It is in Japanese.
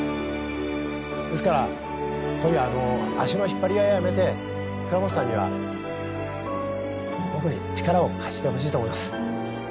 ですからこういうあの足の引っ張り合いはやめて蔵本さんには僕に力を貸してほしいと思います。